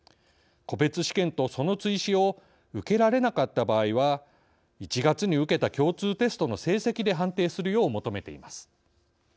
個別試験とその追試を受けられなかった場合は１月に受けた共通テストの成績で判定するよう求めています。